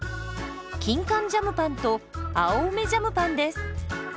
キンカンジャムパンと青梅ジャムパンです。